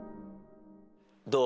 どう？